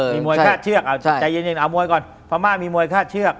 มีมวยฆ่าเชือกเอาใจเย็นเอามวยก่อนพม่ามีมวยฆ่าเชือก